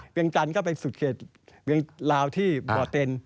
งจันทร์ก็ไปสุดเขตเวียงลาวที่บ่อเต็น